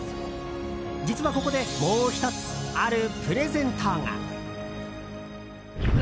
実はここで、もう１つあるプレゼントが。